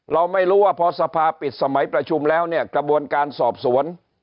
เราไม่รู้ว่าพอสภาปิดสมัยประชุมแล้วเนี่ยกระบวนการสอบสวน